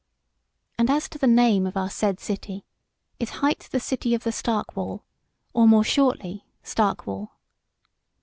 And as to the name of our said city, it hight the City of the Stark wall, or more shortly, Stark wall.